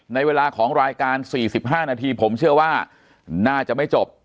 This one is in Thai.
ในเวลาของรายการ๔๕นาทีผมเชื่อว่าน่าจะไม่จบ